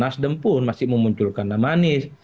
mas dempun masih memunculkan nama anies